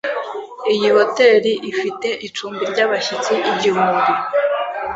Iyi hoteri ifite icumbi ryabashyitsi igihumbi